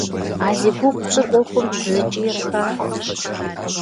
А зи гугъу фщӏыр ӏуэхум зыкӏи епхакъым.